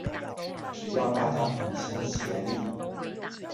只要大家同心協力